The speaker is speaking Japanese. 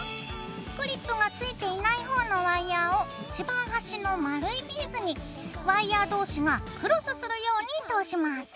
クリップがついていないほうのワイヤーを一番はしの丸いビーズにワイヤー同士がクロスするように通します。